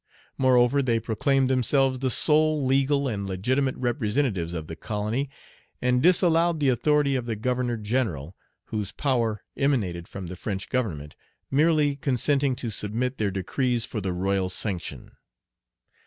Moreover they proclaimed themselves the sole legal and legitimate representatives of the colony, and disallowed the authority of the Governor General, whose power emanated from Page 46 the French Government, merely consenting to submit their decrees for the royal sanction.